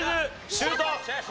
シュート！